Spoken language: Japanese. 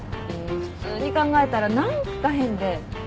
普通に考えたら何か変で。